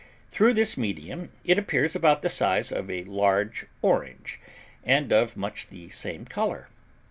Through this medium it appears about the size of a large orange, and of much the same color.